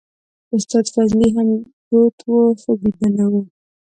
استاد فضلي هم پروت و خو بيده نه و.